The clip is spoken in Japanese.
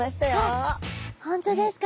あっ本当ですか。